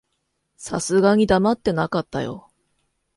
さすがに黙ってなかったよ。